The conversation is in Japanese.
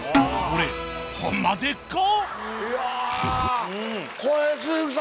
これはホンマでっか！？